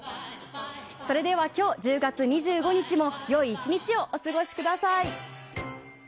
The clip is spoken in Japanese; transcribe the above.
それでは今日１０月２５日にもよい１日をお過ごしください。